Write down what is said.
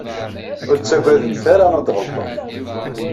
Ur ttagademt ara ad tɣelḍemt.